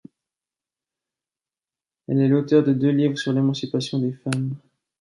Elle est l'auteure de deux livres sur l'émancipation des femmes.